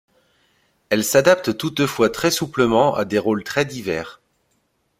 Elle s'adapte toutefois très souplement à des rôles très divers.